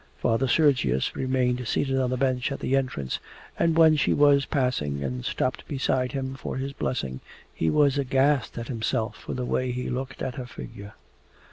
Father Sergius remained seated on the bench at the entrance and when she was passing and stopped beside him for his blessing he was aghast at himself for the way he looked at her figure.